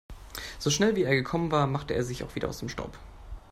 So schnell, wie er gekommen war, machte er sich auch wieder aus dem Staub.